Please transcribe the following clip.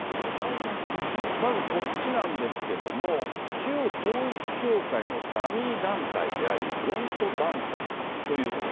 まずこっちなんですけども、旧統一教会のダミー団体であり、フロント団体というところ。